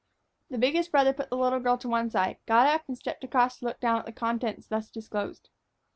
The biggest brother put the little girl to one side, got up, and stepped across to look down at the contents thus disclosed.